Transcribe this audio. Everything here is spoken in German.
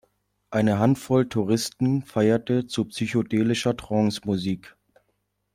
Eine Handvoll Touristen feierte zu psychedelischer Trance-Musik.